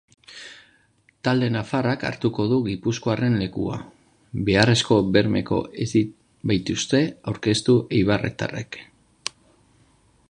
Talde nafarrak hartuko du gipuzkoarraren lekua, beharrezko bermeak ez baitituzte aurkeztu eibartarrek.